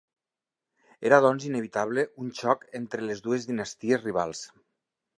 Era doncs, inevitable, un xoc entre les dues dinasties rivals.